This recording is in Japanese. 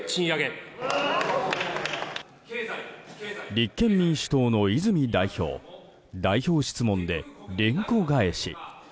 立憲民主党の泉代表代表質問で連呼返し。